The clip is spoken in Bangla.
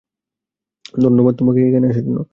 ধন্যবাদ তোমাকে এখানে আসার জন্য।